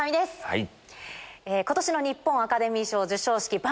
はい。